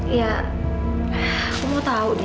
nih aku tuh kepikiran terus aja